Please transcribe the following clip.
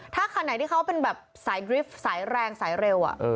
ถ้าคันไหนที่เขาเป็นแบบสายดริฟต์สายแรงสายเร็ว